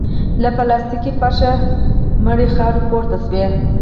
له پلاستيکي فرشه مړې خاورې پورته شوې.